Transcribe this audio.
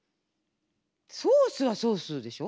ソースはソースでしょ？